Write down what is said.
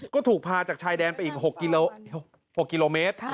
ก็ถูกพาจากชายแดนไปอีก๖กิโลเมตร